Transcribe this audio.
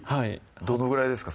どのぐらいですか？